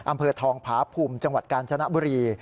อำเภอทองผาภูมิจังหวัดกาญจนบุรี